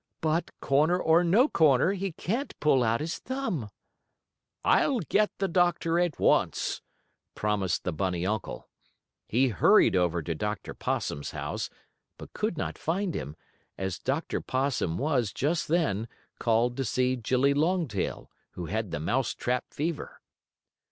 "But, corner or no corner, he can't pull out his thumb." "I'll get the doctor at once," promised the bunny uncle. He hurried over to Dr. Possum's house, but could not find him, as Dr. Possum was, just then, called to see Jillie Longtail, who had the mouse trap fever.